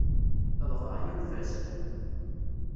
Dɣa, yunef-as.